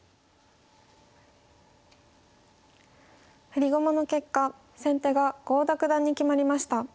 振り駒の結果先手が郷田九段に決まりました。